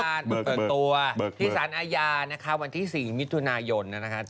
เออก็ที่สารอาญาเปิดตัวที่สารอาญานะคะวันที่๔มิถุนายนนะครับ